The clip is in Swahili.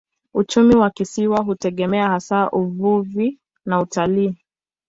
Uchumi wa kisiwa hutegemea hasa uvuvi na utalii.